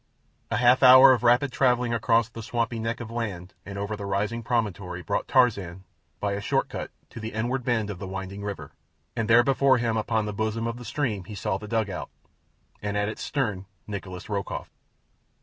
A half hour of rapid travelling across the swampy neck of land and over the rising promontory brought Tarzan, by a short cut, to the inward bend of the winding river, and there before him upon the bosom of the stream he saw the dugout, and in its stern Nikolas Rokoff.